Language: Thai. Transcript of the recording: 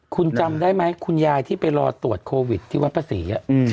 คุณจำได้ไหมคุณยายที่ไปรอตรวจโควิดที่วัดพระศรี